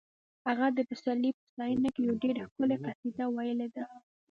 هغه د پسرلي په ستاینه کې یوه ډېره ښکلې قصیده ویلې ده